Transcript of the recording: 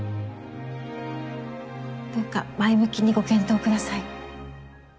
どうか前向きにご検討ください。